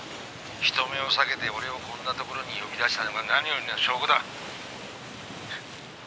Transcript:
「人目を避けて俺をこんなところに呼び出したのが何よりの証拠だ」